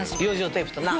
テープとな。